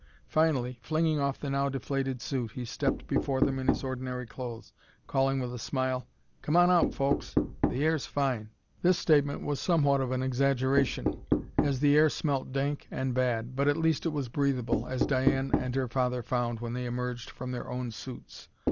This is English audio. Finally, flinging off the now deflated suit, he stepped before them in his ordinary clothes, calling with a smile: "Come on out, folks the air's fine!" This statement was somewhat of an exaggeration, as the air smelt dank and bad. But at least it was breathable, as Diane and her father found when they emerged from their own suits.